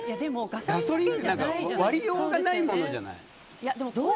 ガソリンって割りようがないものじゃない。